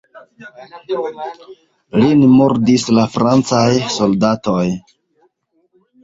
Lin murdis la francaj soldatoj.